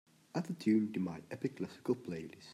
Add the tune to my Epic Classical playlist.